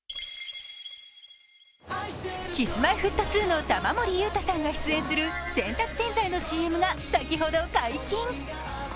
Ｋｉｓ−Ｍｙ−Ｆｔ２の玉森裕太さんが出演する洗濯洗剤のＣＭが先ほど解禁！